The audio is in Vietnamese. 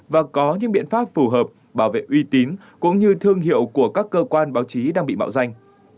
và có những biện pháp phù hợp bảo vệ uy tín cũng như thương hiệu của các cơ quan báo chí đang bị mạo danh